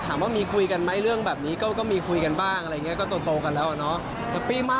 แต่เรามีกันทุกวันนี้เราก็มีความสุขมากแล้วอะไรอย่างเงี้ย